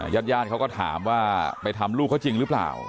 ญาติญาติเขาก็ถามว่าไปทำลูกเขาจริงหรือเปล่า